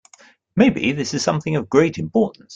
Maybe this is something of great importance.